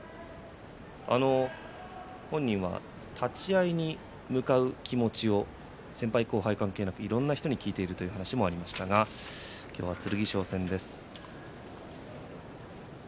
本人は立ち合いに向かう気持ちを先輩後輩関係なく、いろんな人に聞いているという話もありましたが今日は剣翔戦です。